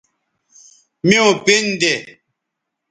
میوں پِن دے